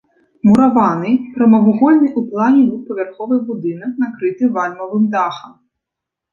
Мураваны, прамавугольны ў плане двухпавярховы будынак накрыты вальмавым дахам.